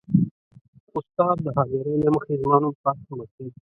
. استاد د حاضرۍ له مخې زما نوم «قاسم» اخلي.